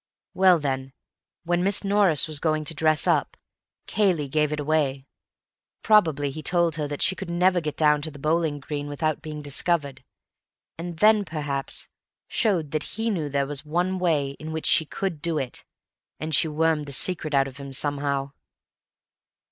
Well then, when Miss Norris was going to dress up, Cayley gave it away. Probably he told her that she could never get down to the bowling green without being discovered, and then perhaps showed that he knew there was one way in which she could do it, and she wormed the secret out of him somehow."